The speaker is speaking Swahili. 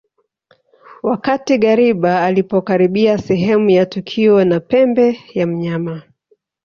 Wakati ngariba alipokaribia sehemu ya tukio na pembe ya mnyama